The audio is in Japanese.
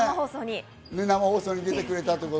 生放送に出てくれたんだね。